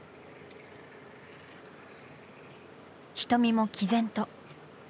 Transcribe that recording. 瞳も毅然と。